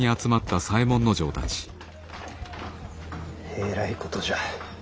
えらいことじゃ。